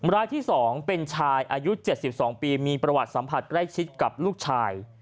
รายที่๒เป็นชายอายุ๗๒ปีมีประวัติสัมผัสใกล้ชิดกับลูกชาย